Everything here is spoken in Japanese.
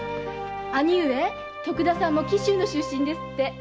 兄上徳田さんも紀州の出身ですって。